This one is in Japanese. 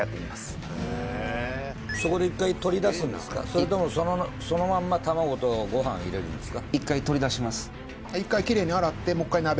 それともそのまんま卵とご飯入れるんですか？